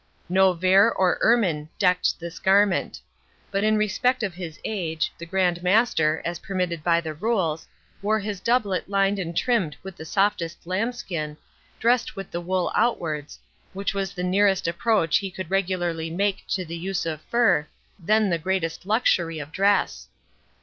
No vair or ermine decked this garment; but in respect of his age, the Grand Master, as permitted by the rules, wore his doublet lined and trimmed with the softest lambskin, dressed with the wool outwards, which was the nearest approach he could regularly make to the use of fur, then the greatest luxury of dress.